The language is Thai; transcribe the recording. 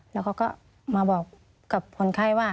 แล้วเขาก็มาบอกกับคนไข้ว่า